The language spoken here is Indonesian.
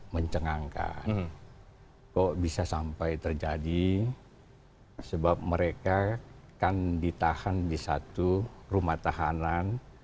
mencengangkan kok bisa sampai terjadi sebab mereka kan ditahan di satu rumah tahanan